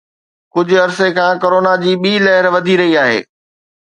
ڪجهه عرصي کان ڪرونا جي ٻي لهر وڌي رهي آهي